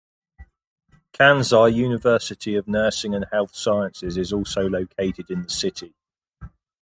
Kansai University of Nursing and Health Sciences is also located in the city.